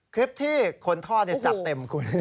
คลิปที่คนทอดจัดเต็มคุณ